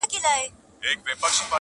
• د ايمل بابا دغرونو -